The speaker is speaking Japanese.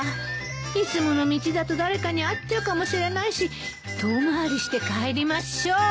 いつもの道だと誰かに会っちゃうかもしれないし遠回りして帰りましょう。